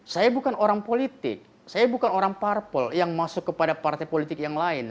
saya bukan orang politik saya bukan orang parpol yang masuk kepada partai politik yang lain